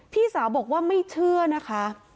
พี่สาวบอกว่าไม่เชื่อนะคะ